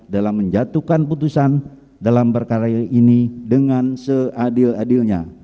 dalam menjatuhkan putusan dalam perkara ini dengan seadil adilnya